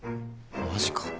マジか。